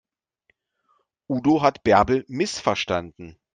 Udo hat Bärbel missverstanden.